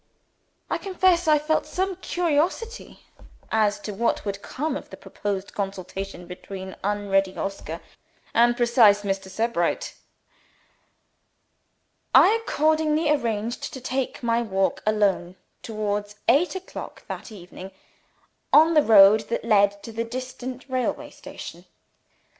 I confess I felt some curiosity as to what would come of the proposed consultation between unready Oscar and precise Mr. Sebright and I accordingly arranged to take my walk alone, towards eight o'clock that evening, on the road that led to the distant railway station.